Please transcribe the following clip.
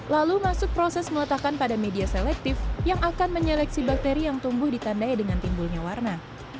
lalu masuk proses meletakkan pada media selektif yang akan menyeleksi bakteri yang tumbuh ditandai dengan timbulnya warna